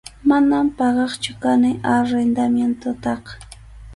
Manam pagaqchu kani arrendamientotaqa.